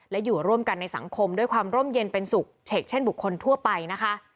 และอยู่ร่วมกันในสังคมด้วยความร่มเย็นเป็นสุขเฉกเช่นบุคคลทั่วไปนะคะ